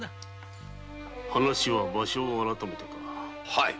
話は場所を改めてか。